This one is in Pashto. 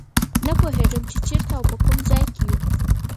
نه پوهېدم چې چېرته او په کوم ځای کې یو.